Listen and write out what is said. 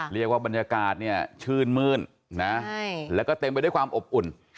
เรียกว่าบรรยากาศชื่นมื้นแล้วก็เต็มไปด้วยความอบอุ่น